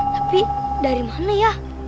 tapi dari mana ya